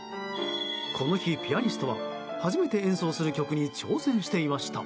この日、ピアニストは初めて演奏する曲に挑戦していました。